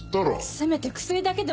せめて薬だけでも。